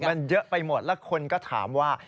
มันเยอะไปหมดแล้วคนก็ถามว่า